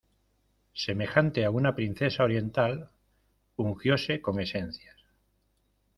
semejante a una princesa oriental, ungióse con esencias.